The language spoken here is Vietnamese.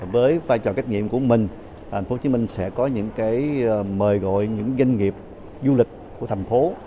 với vai trò kết nghiệm của mình tp hcm sẽ có những mời gọi những doanh nghiệp du lịch của thành phố